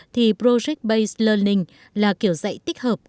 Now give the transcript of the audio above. thì project based learning là kiểu dạy tích hợp các học sinh